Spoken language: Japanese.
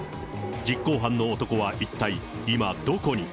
実行犯の男は一体、今どこに。